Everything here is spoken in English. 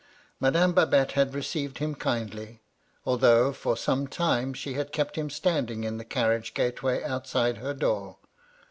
Madame Babette had received him kindly ; although, for some time, she had kept him standing in the carriage gate* way outside her door.